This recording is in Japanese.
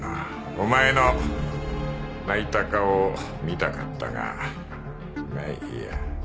お前の泣いた顔を見たかったがまあいいや。